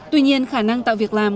tuy nhiên khả năng tạo việc làm